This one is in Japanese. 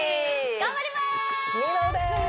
頑張ります！